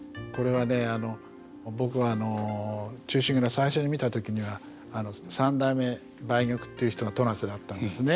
最初に見た時には三代目梅玉っていう人が戸無瀬だったんですね。